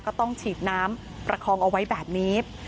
ก็ต้องฉีดน้ำประคองเอาไว้แบบนี้